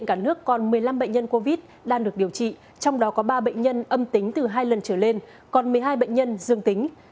cả nước còn một mươi năm bệnh nhân covid đang được điều trị trong đó có ba bệnh nhân âm tính từ hai lần trở lên còn một mươi hai bệnh nhân dương tính